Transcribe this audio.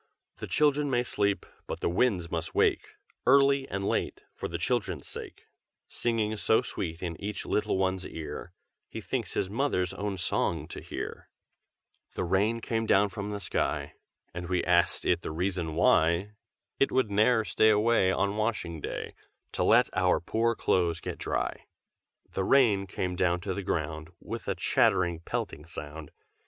The children may sleep, but the winds must wake Early and late, for the children's sake; Singing so sweet in each little one's ear, He thinks his mother's own song to hear. The rain came down from the sky, And we asked it the reason why It would ne'er stay away On washing day, To let our poor clothes get dry. The rain came down to the ground, With a chattering, pelting sound.